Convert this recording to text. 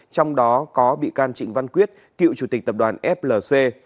trong đó có bị can trịnh văn quyết cựu chủ tịch tập đoàn flc